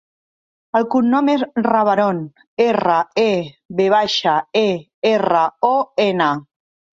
El cognom és Reveron: erra, e, ve baixa, e, erra, o, ena.